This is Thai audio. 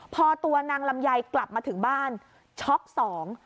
พอตัวนางลำไยกลับมาถึงบ้านช็อกสอง